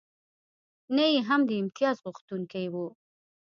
نه یې هم د امتیازغوښتونکی و.